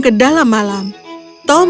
ke dalam malam tom